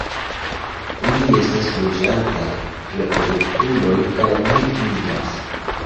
Ili estas loĝantaj reproduktuloj kaj ne migras.